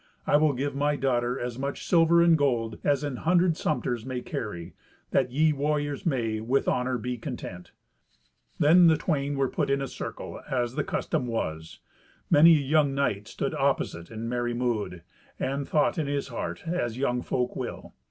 I will give my daughter as much silver and gold as an hundred sumpters may carry, that ye warriors may, with honour, be content." Then the twain were put in a circle, as the custom was. Many a young knight stood opposite in merry mood, and thought in his heart as young folk will.